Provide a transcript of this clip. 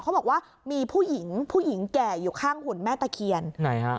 เขาบอกว่ามีผู้หญิงผู้หญิงแก่อยู่ข้างหุ่นแม่ตะเคียนไหนฮะ